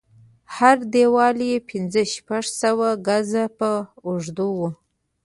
هر دېوال يې پنځه شپږ سوه ګزه به اوږد و.